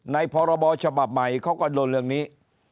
พรบฉบับใหม่เขาก็โดนเรื่องนี้